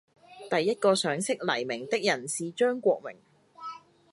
第一個賞識黎明的人是張國榮。